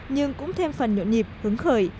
nhưng cũng thêm phần nhuận nhịp hứng khởi